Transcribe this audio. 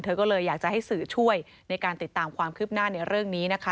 ก็เลยอยากจะให้สื่อช่วยในการติดตามความคืบหน้าในเรื่องนี้นะคะ